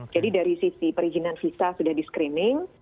jadi dari sisi perizinan visa sudah di screening